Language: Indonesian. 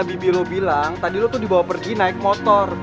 bibi lo bilang tadi lo tuh dibawa pergi naik motor